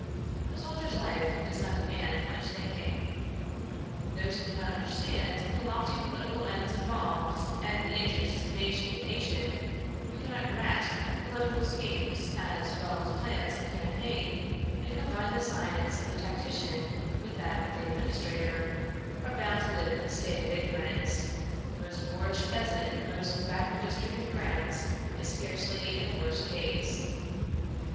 A soldier's life does not demand much thinking. Those who cannot understand the lofty political ends involved and the interests of nation and nation; who cannot grasp political schemes as well as plans of campaign and combine the science of the tactician with that of the administrator, are bound to live in a state of ignorance; the most boorish peasant in the most backward district in France is scarcely in a worse case.